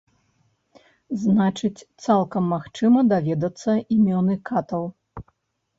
Значыць, цалкам магчыма даведацца імёны катаў.